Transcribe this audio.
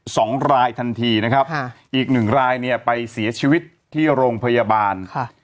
สองรายทันทีนะครับค่ะอีกหนึ่งรายเนี่ยไปเสียชีวิตที่โรงพยาบาลค่ะ